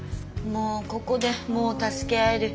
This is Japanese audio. もうここでもう助け合える。